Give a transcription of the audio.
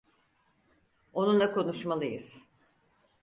Onunla konuşmalıyız.